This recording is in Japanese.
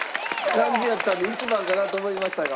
感じやったんで１番かなと思いましたが。